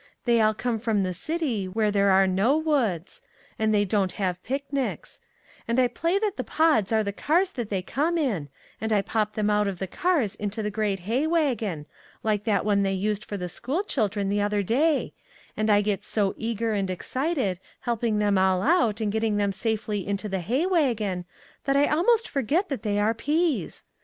They all come from the city, where there are no woods, and they don't have picnics; and I play that the pods are the cars that they came in, and I pop them out of the cars into the great hay wagon like that one they used for the school children the other 186 PEAS AND PICNICS day and I get so eager and excited, helping them all out and getting them safely into the hay wagon, that I almost forget that they are peas.